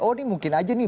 oh ini mungkin aja nih